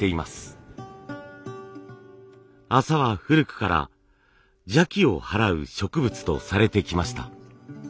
麻は古くから邪気をはらう植物とされてきました。